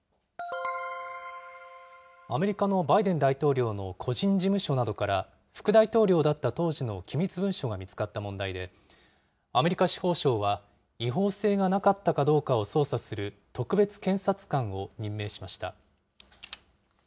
アメリカのバイデン大統領の個人事務所などから、副大統領だった当時の機密文書が見つかった問題で、アメリカ司法省は、違法性がなかったかどうかを捜査する、特別検察官を任命しました。